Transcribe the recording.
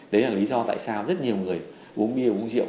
đấy là lý do tại sao rất nhiều người uống bia uống rượu